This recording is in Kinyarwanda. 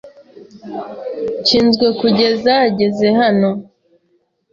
Nshinzwe kugeza ageze hano.